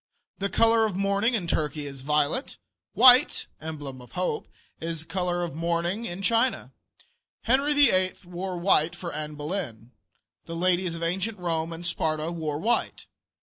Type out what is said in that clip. The color of mourning in Turkey is violet. White (emblem of hope) is the color of mourning in China. Henry VIII. wore white for Anne Boleyn. The ladies of ancient Rome and Sparta wore white.